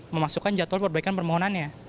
memasukkan jadwal perbaikan permohonannya